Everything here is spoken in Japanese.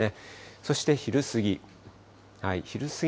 そして昼過ぎ。